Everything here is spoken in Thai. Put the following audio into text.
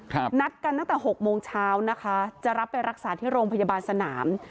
นัดกันตั้งแต่หกโมงเช้านะคะจะรับไปรักษาที่โรงพยาบาลสนาม